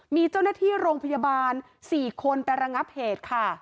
มีเจ้าหน้าที่โรงพยาบาล๔คนไประงับเหตุค่ะ